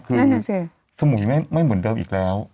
คือนั่นน่ะสิสมุยไม่เหมือนเดิมอีกแล้ว